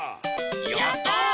やった！